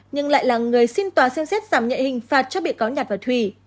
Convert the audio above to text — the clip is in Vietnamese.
nhưng lại là người xin tòa xem xét giảm nhẹ hình phạt cho bị cáo nhạt vào thùy